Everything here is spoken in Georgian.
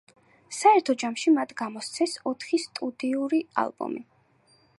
საერთო ჯამში მათ გამოსცეს ოთხი სტუდიური ალბომი.